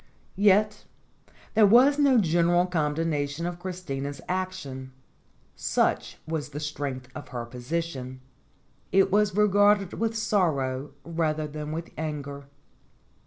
Yet there was no general condemnation of Chris tina's .action ; such was the strength of her position. It was regarded with sorrow rather than with anger.